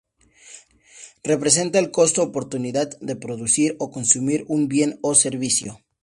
Representa el costo oportunidad de producir o consumir un bien o servicio.